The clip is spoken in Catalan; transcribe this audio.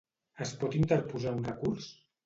Es pot interposar un recurs?